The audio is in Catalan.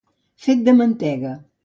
Fet de mantega.